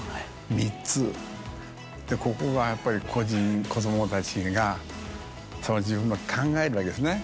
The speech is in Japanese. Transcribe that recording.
ここがやっぱり子どもたちが自分で考えるわけですね。